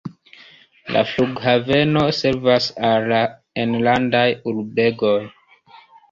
La flughaveno servas al la enlandaj urbegoj.